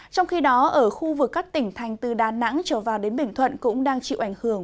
trong khi đó ở khu vực các tỉnh thành từ đà nẵng trở vào đến bình thuận cũng đang chịu ảnh hưởng